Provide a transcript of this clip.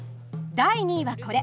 第２位はこれ。